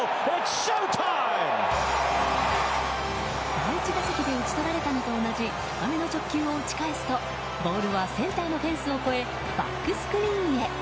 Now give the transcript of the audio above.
第１打席で打ち取られたのと同じ高めの直球を打ち返すとボールはセンターのフェンスを越えバックスクリーンへ。